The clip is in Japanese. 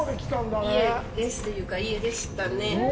家ですというか、家でしたね。